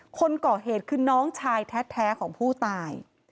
คนก่อเหตุคือน้องชายแท้ของผู้ตาย